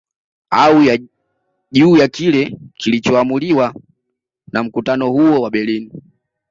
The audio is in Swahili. Au juu ya Kile kilichomuliwa na mkutano huo wa Berlini